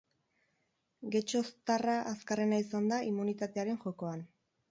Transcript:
Getxoztarra azkarrena izan da immunitatearen jokoan.